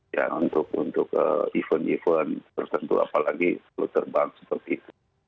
ya untuk event event tertentu apalagi perlu terbang seperti itu